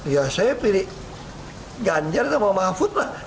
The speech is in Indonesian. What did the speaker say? ya saya pilih ganjar sama mahfud lah